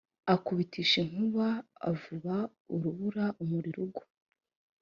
akubitisha inkuba avuba urubura umuriro ugwa